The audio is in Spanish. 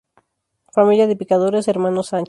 Familia de Picadores Hermanos Sánchez.